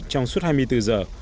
trong suốt hai mươi bốn giờ